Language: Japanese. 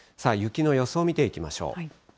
雪の予想を見ていきましょう。